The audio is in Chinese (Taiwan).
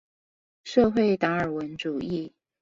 社會達爾文主義